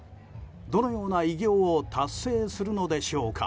どのような偉業を達成するのでしょうか。